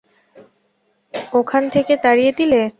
ওখান থেকে তড়িয়ে দিলে।